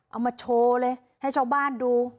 เอามาโชว์เลยให้ชาวบ้านดู